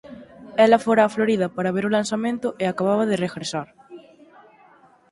Ela fora a Florida para ver o lanzamento e acababa de regresar.